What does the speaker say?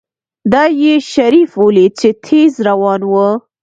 دا يې شريف وليد چې تېز روان و.